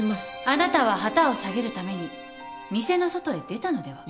あなたは旗を下げるために店の外へ出たのでは？